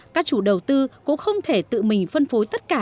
các chủ đầu tư cũng không thể tự mình phân phối tất cả